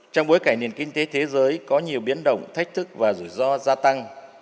trong bối cảnh nền kinh tế thế giới có nhiều biến động thách thức và rủi ro gia tăng